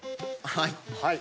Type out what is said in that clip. はい。